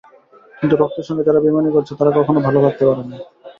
কিন্তু রক্তের সঙ্গে যারা বেইমানি করছে তাঁরা কখনো ভালো থাকতে পারে নাই।